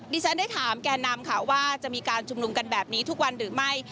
ฉันได้ถามแก่นำค่ะว่าจะมีการชุมนุมกันแบบนี้ทุกวันหรือไม่